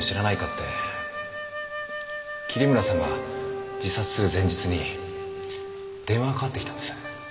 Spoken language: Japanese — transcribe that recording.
って桐村さんが自殺する前日に電話がかかってきたんです